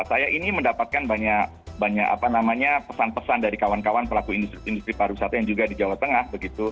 saya ini mendapatkan banyak pesan pesan dari kawan kawan pelaku industri pariwisata yang juga di jawa tengah